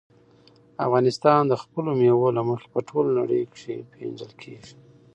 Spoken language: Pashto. افغانستان د خپلو مېوو له مخې په ټوله نړۍ کې پېژندل کېږي.